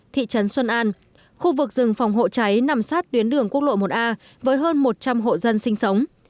thị trấn xuân an khu vực rừng phòng hộ cháy nằm sát tuyến đường quốc lộ một a với hơn một trăm linh hộ dân sinh sống